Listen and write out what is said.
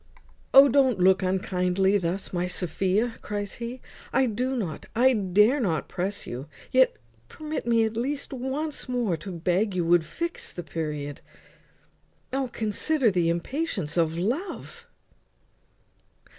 "O! don't look unkindly thus, my Sophia," cries he. "I do not, I dare not press you. Yet permit me at least once more to beg you would fix the period. O! consider the impatience of love."